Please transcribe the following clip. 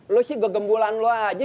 lu sih gegembulan lu aja